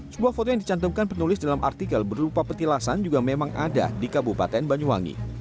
sebuah foto yang dicantumkan penulis dalam artikel berupa petilasan juga memang ada di kabupaten banyuwangi